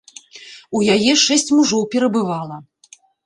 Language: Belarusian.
У яе шэсць мужоў перабывала.